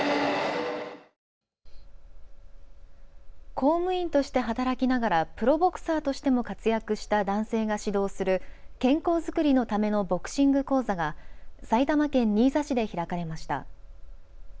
公務員として働きながらプロボクサーとしても活躍した男性が指導する健康づくりのためのボクシング講座が埼玉県新座市で開かれました。